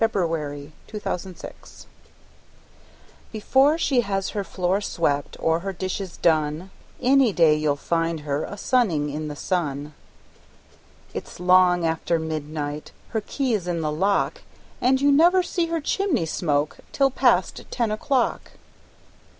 Portrait by a Neighbor Before she has her floor swept Or her dishes done, Any day you'll find her A sunning in the sun! It's long after midnight Her key's in the lock, And you never see her chimney smoke Till past ten o'clock!